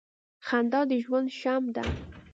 • خندا د ژوند شمع ده.